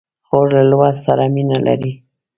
خور له لوست سره مینه لري.